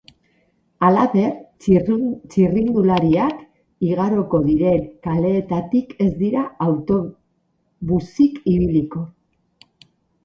Halaber, txirrindulariak igaroko diren kaleetatik ez dira autobusik ibiliko.